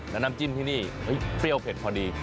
แล้วน้ำจิ้มที่นี่เปรี้ยวเผ็ดพอดี